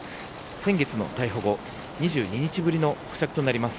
先月の逮捕後２２日ぶりの保釈となります。